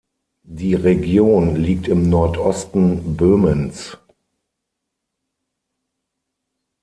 Die Region liegt im Nordosten Böhmens.